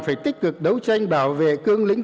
phải tích cực đấu tranh bảo vệ cương lĩnh